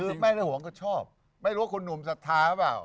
คือไม่ได้ห่วงก็ชอบไม่รู้ว่าคุณหนุ่มศรัทธาหรือเปล่า